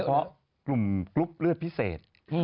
เพราะกลุ่มกรุ๊ปเลือดพิเศษ